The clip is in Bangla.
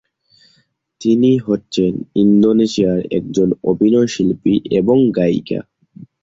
তিনি হচ্ছেন ইন্দোনেশিয়ার একজন অভিনয়শিল্পী এবং গায়িকা।